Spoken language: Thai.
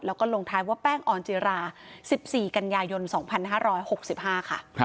แล้วก็ลงท้ายว่าแป้งออนจิรา๑๔กันยายน๒๕๖๕ค่ะ